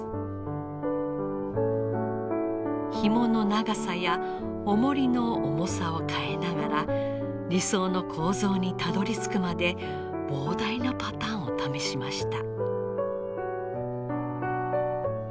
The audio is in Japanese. ひもの長さやおもりの重さを変えながら理想の構造にたどりつくまで膨大なパターンを試しました。